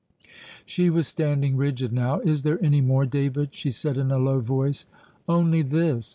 '" She was standing rigid now. "Is there any more, David?" she said in a low voice. "Only this.